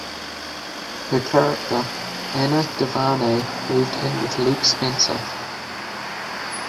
Her character, Anna Devane, moved in with Luke Spencer.